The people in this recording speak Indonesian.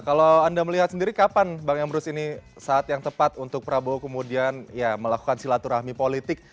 kalau anda melihat sendiri kapan bang emrus ini saat yang tepat untuk prabowo kemudian ya melakukan silaturahmi politik